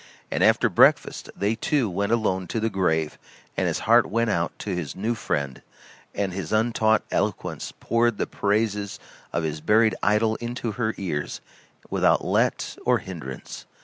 And after breakfast they two went alone to the grave, and his heart went out to his new friend and his untaught eloquence poured the praises of his buried idol into her ears without let or hindrance.